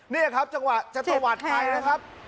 นี่ครับจังหวะจะตวัดไปนะครับ